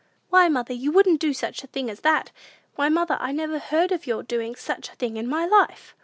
"Why, mother, you wouldn't do such a thing as that! Why, mother, I never heard of your doing such a thing in my life!"